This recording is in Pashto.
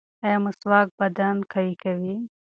ایا مسواک بدن قوي کوي؟